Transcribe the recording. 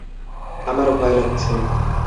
আমার ভয় লাগছে।